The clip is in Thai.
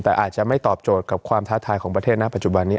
แต่อาจจะไม่ตอบโจทย์กับความท้าทายของประเทศณปัจจุบันนี้